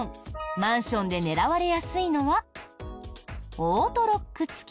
マンションで狙われやすいのはオートロック付き？